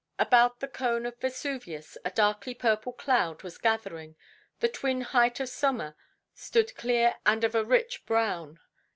About the cone of Vesuvius a darkly purple cloud was gathering; the twin height of Somma stood clear and of a rich brown.